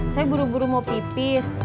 saya buru buru mau pipis